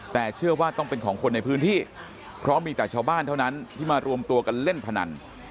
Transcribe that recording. แต่เชื่อว่าต้องเป็นของคนในพื้นที่เพราะมีแต่ชาวบ้านเท่านั้นที่มารวมตัวกันเล่นพนัน